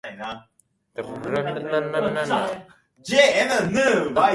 隊員達は記録でしかこの町のことを知らなかった。